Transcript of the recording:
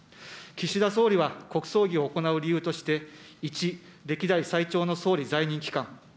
岸田総理は、国葬儀を行う理由として、１、歴代最長の総理在任期間。